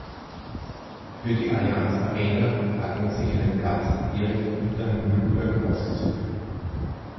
Für die Allianz-Arena hat man sich einen Platz direkt hinterm Müllberg ausgesucht.